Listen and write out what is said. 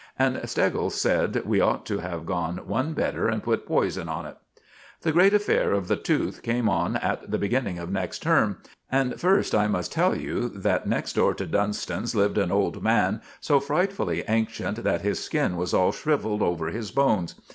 And Steggles said we ought to have gone one better and put poison on it. The great affair of the tooth came on at the beginning of next term; and first I must tell you that next door to Dunston's lived an old man, so frightfully ancient that his skin was all shrivelled over his bones.